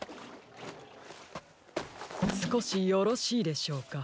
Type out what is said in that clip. すこしよろしいでしょうか。